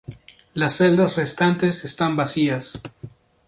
Las celdas restantes están vacías.